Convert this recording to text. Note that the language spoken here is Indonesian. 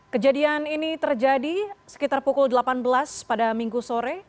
kejadian ini terjadi sekitar pukul delapan belas pada minggu sore